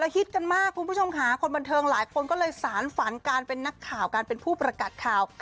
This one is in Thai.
ฮิตกันมากคุณผู้ชมค่ะคนบันเทิงหลายคนก็เลยสารฝันการเป็นนักข่าวการเป็นผู้ประกาศข่าว